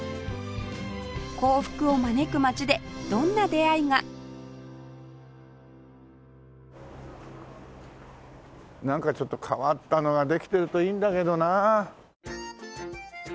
幸福を招く街でどんな出会いが？なんかちょっと変わったのができてるといいんだけどな。